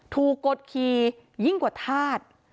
ถูกกดคียิ่งกว่าทาส